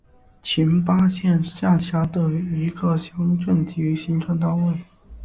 覃巴镇是下辖的一个乡镇级行政单位。